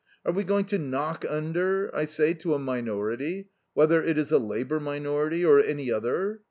Are we going to knock under, I say, to a minority, whether it is a Labour minority or any other?